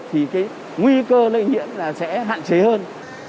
thì cái nguy cơ lây nhiễm là sẽ hạn chế hơn